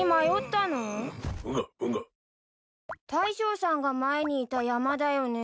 大将さんが前にいた山だよね？